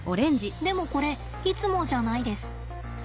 でもこれいつもじゃないです。